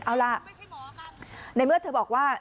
เอาล่ะในเมื่อเธอบอกว่า